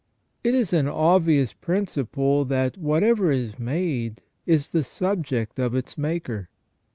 It is an obvious principle that whatever is made, is the subject of its maker.